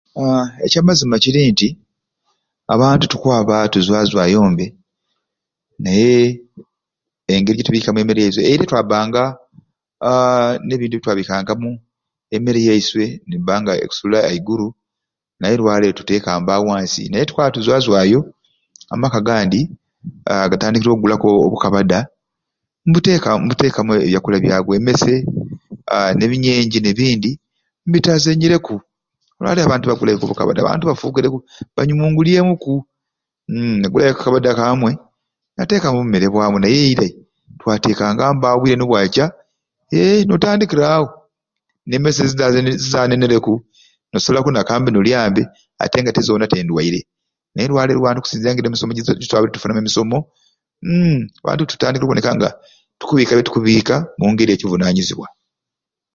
Aa ekyamazima kiri nti abantu tukwaba tuzwazwayombe naye engeri gyetubiikamu emmere yaiswe, eirai twabbaga aa n'ebintu byetwabikangamu emmere yaiswe nebanga ekusula aiguru naye olwaleero tutekambe awo ansi naye olwaleero tukwaba tuzwazwayo amaka agandi gatandikire okugulaagulaku obukabada mbuteka mbutekamu ebyakulya byabwe emmese aa ebinyenje n'ebindi mbitazenyereku olwaleero abantu bakugula ekabada bafuukire banyumungulyeku mmm n'agulayo akakabada kamwei n'atekamu obumere bwamwei naye eirai twatekangambe awo obwire nibwakya eee notandikira mbe awo n'emmese zeza zezanenereku n'osalaku n'akambe n'olyambe ate nga tte zonatte ndwaire naye olwaleero okusinzira emisomo zetwabire tufunamu emisomo mmm abantu tutandikire okuboneka nga tukubiika byetukubiika omungeri yakivunanyizibwa.